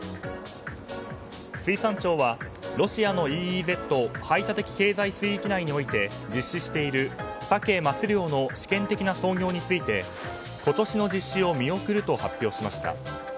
水産庁はロシアのＥＥＺ・排他的経済水域内において実施しているサケ・マス漁の試験的な操業について今年の実施を見送ると発表しました。